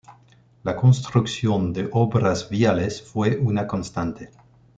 La construcción de obras viales fue una constante.